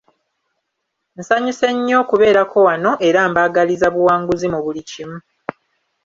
Nsanyuse nnyo okubeerako wano era mbaagaliza buwanguzi mu buli kimu.